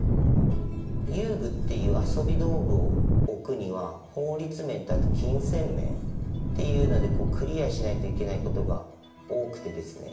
遊具っていう遊び道具を置くには法律面とあと金銭面っていうのでクリアしないといけない事が多くてですね。